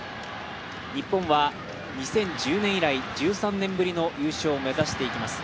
日本は２０１０年以来１３年ぶりの優勝を目指していきます。